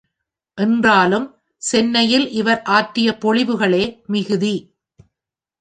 என்றாலும் சென்னையில் இவர் ஆற்றிய பொழிவுகளே மிகுதி.